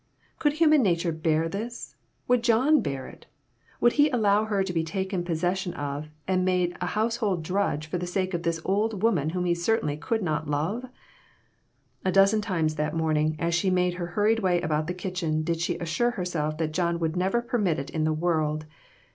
Could human nature bear this ? Would John bear it ? Would he allow her to be taken posses sion of and made a household drudge for the sake of this old woman whom he certainly could not love ? A dozen times that morning, as she made her hurried way about that kitchen did she assure her self that John would never permit it in the world.